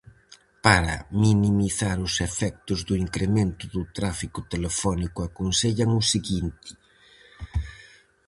Para minimizar os efectos do incremento do tráfico telefónico aconsellan o seguinte: